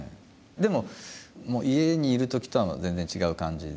でも家にいるときとは全然違う感じで。